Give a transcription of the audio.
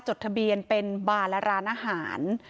จดทะเบียนเป็นบาร์และร้านอาหาร